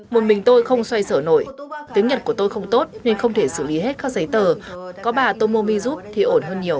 một mình tôi không xoay sở nổi tiếng nhật của tôi không tốt nên không thể xử lý hết các giấy tờ có bà tomomizut thì ổn hơn nhiều